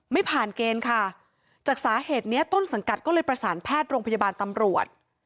ไม่ผ่านเกณฑ์ค่ะจากสาเหตุเนี้ยต้นสังกัดก็เลยประสานแพทย์โรงพยาบาลตำรวจ